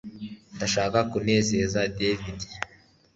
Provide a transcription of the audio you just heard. Ndashaka kunezeza David